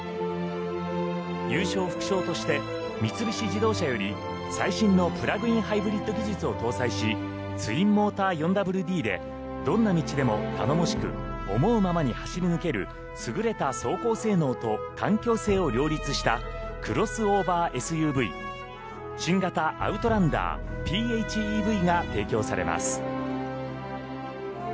優勝副賞として三菱自動車より最新のプラグインハイブリッド技術を搭載しツインモーター４ＷＤでどんな道でも頼もしく思うままに走り抜ける優れた走行性能と環境性を両立したクロスオーバーＳＵＶ新型ＯＵＴＬＡＮＤＥＲＰＨＥＶが提供されます。